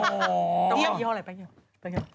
อ๋อยี่ห้ออะไรแป้งเนี่ย